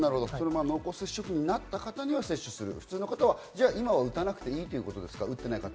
濃厚接触になった方には接種する、普通の方は今は打たなくていいということですか？